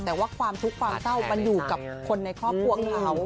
แต่ว่าความทุกข์ความเศร้ามันอยู่กับคนในครอบครัวเขา